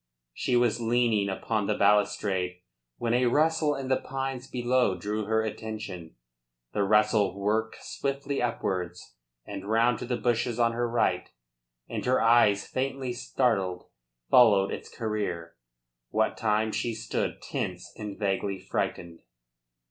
She was leaning upon the balustrade when a rustle in the pines below drew her attention. The rustle worked swiftly upwards and round to the bushes on her right, and her eyes, faintly startled, followed its career, what time she stood tense and vaguely frightened.